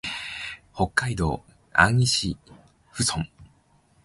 北海道音威子府村